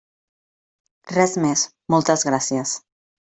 Res més, moltes gràcies.